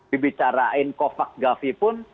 dibicarakan covax gavi pun